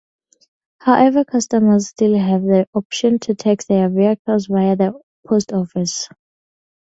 However, customers still have the option to tax their vehicles via the Post Office.